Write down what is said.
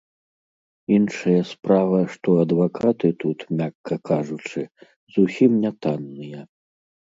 Іншая справа, што адвакаты тут, мякка кажучы, зусім не танныя.